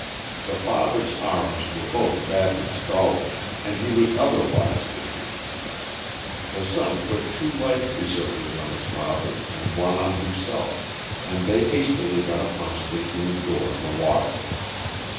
The father's arms were both badly scalded, and he was otherwise injured. The son put two life preservers on his father and one on himself, and they hastily got upon a state room door in the water.